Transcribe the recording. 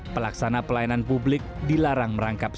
pelaksana pelayanan publik dilarang merangkap